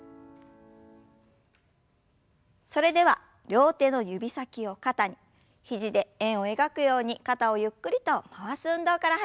それでは両手の指先を肩に肘で円を描くように肩をゆっくりと回す運動から始めましょう。